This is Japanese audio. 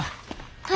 はい。